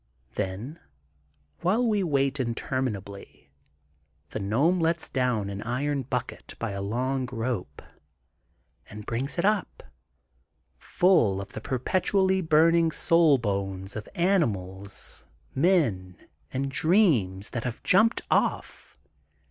"^ Then, while we wait interminably, the gnome lets down an iron bucket by a long rope, and brings it up full of the per petually burning soul bones of animals, men^ and dreams that have jumped off.